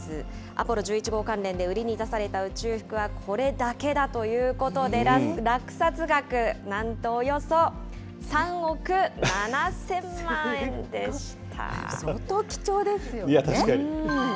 アポロ１１号関連で売りに出された宇宙服はこれだけだということで、落札額なんと、およそ３億７相当貴重ですよね。